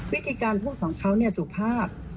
วิธีการพูดของเขาสุภาพ